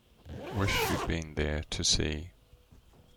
Wish you'd been there to see.